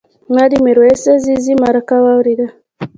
ما د میرویس عزیزي مرکه واورېده.